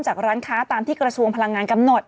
จากร้านค้าตามที่กระทรวงภัณฑ์งานกำหนด